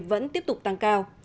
vẫn tiếp tục tăng cao